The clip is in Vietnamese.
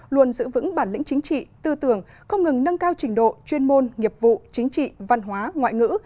luôn giữ vững bản lĩnh chính trị tư tưởng không ngừng nâng cao trình độ chuyên môn nghiệp vụ chính trị văn hóa ngoại ngữ